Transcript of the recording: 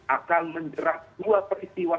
akan menjerah dua peristiwa